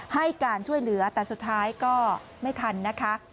ให้การช่วยเหลือแต่สุดท้ายก็ไม่ทันนะคะ